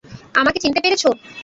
আমাকে চিনতে পেরেছো?